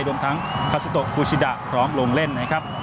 รวมทั้งคาซิโตคูชิดะพร้อมลงเล่นนะครับ